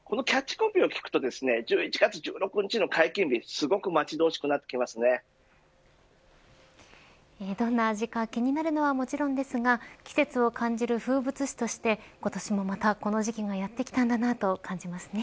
このキャッチコピーを聞くと１１月１６日の解禁日がすごくどんな味か気になるのはもちろんですが季節を感じる風物詩として今年もまたこの時期がやってきたんだなと感じますね。